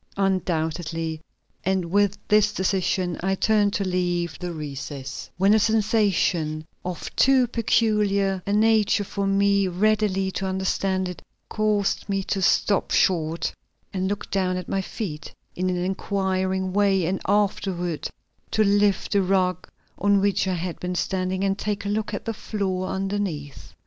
Undoubtedly; and with this decision I turned to leave the recess, when a sensation, of too peculiar a nature for me readily to understand it, caused me to stop short, and look down at my feet in an inquiring way and afterward to lift the rug on which I had been standing and take a look at the floor underneath.